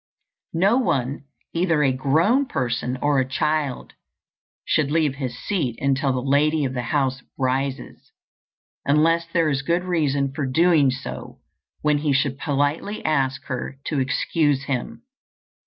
No one, either a grown person or a child, should leave his seat until the lady of the house rises, unless there is good reason for doing so, when he should politely ask her to excuse him.